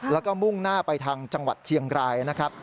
แล้วก็มุ่งหน้าไปทางจังหวัดเชียงรายนะครับ